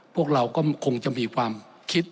พวกเราก็คงจะมีความคิด